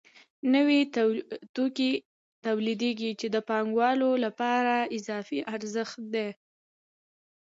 نوي توکي تولیدېږي چې د پانګوالو لپاره اضافي ارزښت دی